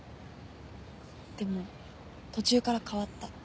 でも途中から変わった。